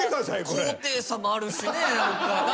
高低差もあるしね。